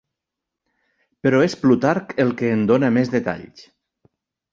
Però és Plutarc el que en dóna més detalls.